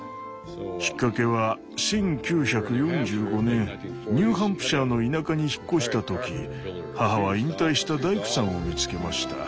きっかけは１９４５年ニューハンプシャーの田舎に引っ越した時母は引退した大工さんを見つけました。